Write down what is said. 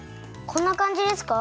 こんなかんじですか？